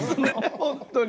本当に。